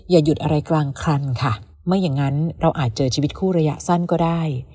อย่าหยุดอะไรกลางคันค่ะไม่อย่างนั้นเราอาจเจอชีวิตคู่ระยะสั้นก็ได้